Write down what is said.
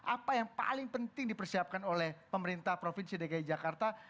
apa yang paling penting dipersiapkan oleh pemerintah provinsi dki jakarta